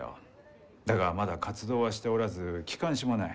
だがまだ活動はしておらず機関誌もない。